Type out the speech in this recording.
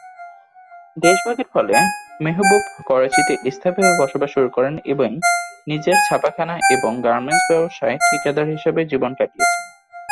দেশভাগের ফলে মেহবুব করাচিতে স্থায়ীভাবে বসবাস শুরু করেন এবং নিজের ছাপাখানা এবং গার্মেন্টস ব্যবসায়ের ঠিকাদার হিসেবে জীবন কাটিয়েছেন।